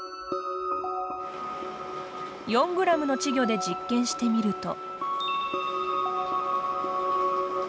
４グラムの稚魚で実験してみると。